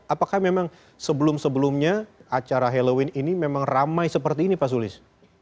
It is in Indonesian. apakah memang sebelum sebelumnya acara halloween ini memang ramai seperti ini pak sulis